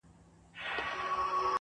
پر خپلوانو گاونډیانو مهربان وو،